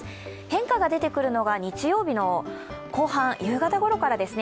変化が出てくるのは日曜日の後半、夕方ごろからです。